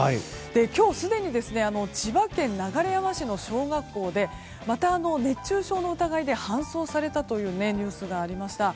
今日、すでに千葉県流山市の小学校でまた熱中症の疑いで搬送されたというニュースがありました。